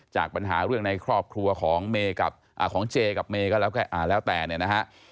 จากปัญหาเรื่องในครอบครัวของเจกับเมย์ก็แล้วแต่นะฮะ